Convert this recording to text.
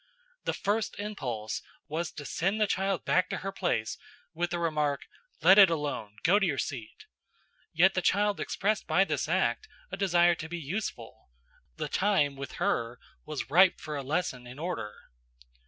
The first impulse was to send the child back to her place with the remark, "Let it alone; go to your seat." Yet the child expressed by this act a desire to be useful; the time, with her, was ripe for a lesson in order.